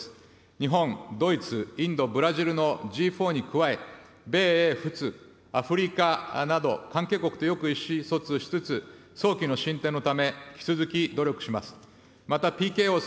日本、ドイツ、インド、ブラジルのＧ４に加え、米英仏、アフリカなど、関係国とよく意思疎通をしつつ、早期の進展のため、引き続き努力します。